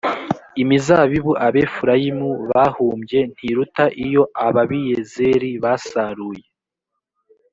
imizabibu abefurayimu bahumbye ntiruta iyo ababiyezeri basaruye